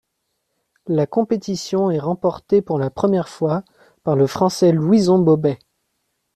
La compétition est remportée pour la première fois par le français Louison Bobet.